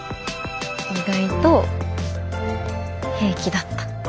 意外と平気だった。